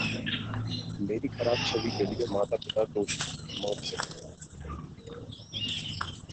मेरी खराब छवि के लिए माता-पिता दोषी: मॉमसेन